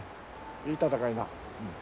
いい戦いだ。